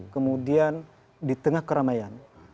kemudian di tengah keramaian